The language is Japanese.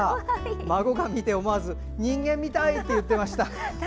孫が見て思わず人間みたい！って言ってました。